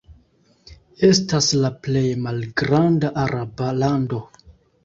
Estas la plej malgranda araba lando.